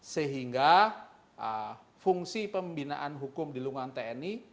sehingga fungsi pembinaan hukum di lingkungan tni